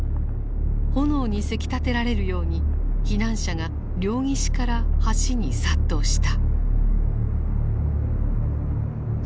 炎にせき立てられるように避難者が両岸から橋に殺到した。